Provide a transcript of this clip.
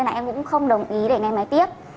nên là em cũng không đồng ý để nghe máy tiếp